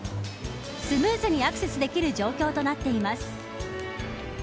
スムーズにアクセスできる状況となっています。